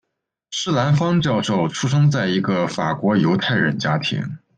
施兰芳教授出生在一个法国犹太人家庭。